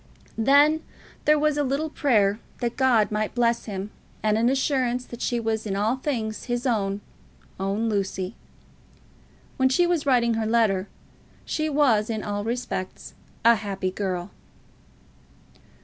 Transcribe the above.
Then there was a little prayer that God might bless him, and an assurance that she was in all things his own, own Lucy. When she was writing her letter she was in all respects a happy girl.